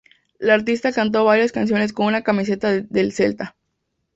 La artista cantó varias canciones con una camiseta del Celta.